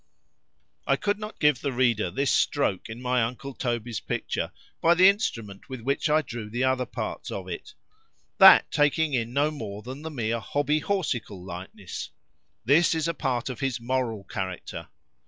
I could not give the reader this stroke in my uncle Toby's picture, by the instrument with which I drew the other parts of it,—that taking in no more than the mere HOBBY HORSICAL likeness:—this is a part of his moral character.